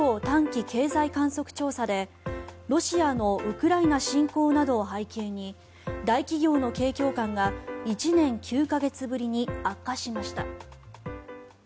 短期経済観測調査でロシアのウクライナ侵攻などを背景に大企業の景況感が１年９か月ぶりに悪化しました。